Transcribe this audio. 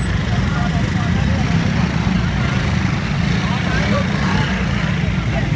อันดับพิษการสมัครสำรวจการผ่านยจดบุษนี่